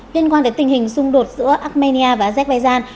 liên quan đến tình hình xung đột giữa armenia và azerbaijan